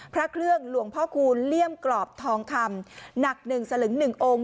พระเครื่องหลวงพ่อคูณเลี่ยมกรอบทองคำหนัก๑สลึง๑องค์